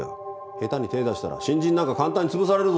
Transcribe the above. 下手に手出したら新人なんか簡単に潰されるぞ。